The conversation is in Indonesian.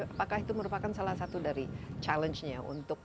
apakah itu merupakan salah satu dari challenge nya untuk